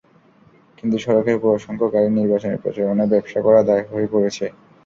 কিন্তু সড়কের ওপর অসংখ্য গাড়ির নির্বাচনী প্রচারণায় ব্যবসা করা দায় হয়ে পড়েছে।